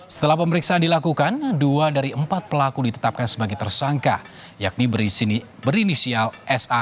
setelah pemeriksaan dilakukan dua dari empat pelaku ditetapkan sebagai tersangka yakni berinisial sa